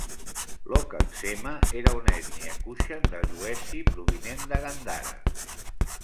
Lokaksema era una ètnia Kushan de Yuezhi provinent de Gandhara.